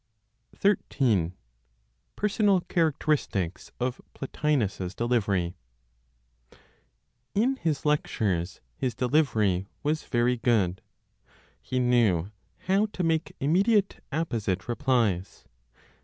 XIII. PERSONAL CHARACTERISTICS OF PLOTINOS'S DELIVERY. In his lectures his delivery was very good; he knew how to make immediate apposite replies.